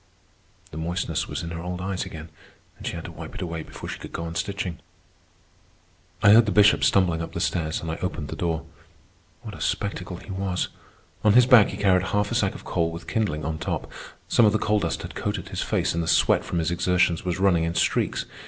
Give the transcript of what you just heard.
The moistness was in her old eyes again, and she had to wipe it away before she could go on stitching. I heard the Bishop stumbling up the stairs, and I opened the door. What a spectacle he was. On his back he carried half a sack of coal, with kindling on top. Some of the coal dust had coated his face, and the sweat from his exertions was running in streaks.